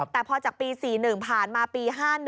แต่พอจากปี๔๑ผ่านมาปี๕๑